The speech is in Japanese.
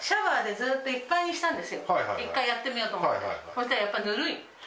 そしたらやっぱりぬるい。